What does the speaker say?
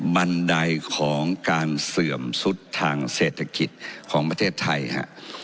บันไดของการเสื่อมสุดทางเศรษฐกิจของประเทศไทยฮะ